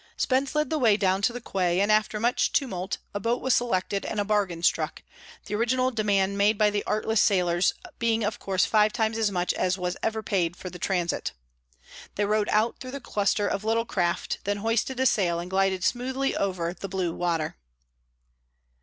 Spence led the way down to the quay, and after much tumult a boat was selected and a bargain struck, the original demand made by the artless sailors being of course five times as much as was ever paid for the transit. They rowed out through the cluster of little craft, then hoisted a sail, and glided smoothly over the blue water.